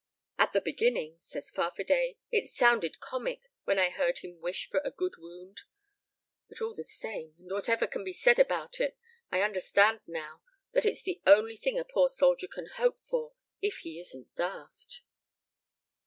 "At the beginning," says Farfadet, "it sounded comic when I heard them wish for a 'good wound.' But all the same, and whatever can be said about it, I understand now that it's the only thing a poor soldier can hope for if he isn't daft."